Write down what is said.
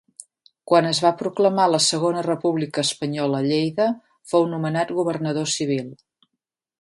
Quan es va proclamar la Segona República Espanyola a Lleida fou nomenat governador civil.